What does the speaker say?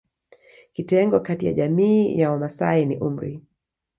Kitengo kati ya jamii ya Wamasai ni umri